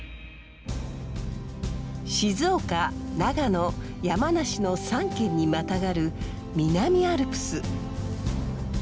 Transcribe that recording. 静岡長野山梨の３県にまたがる南アルプス。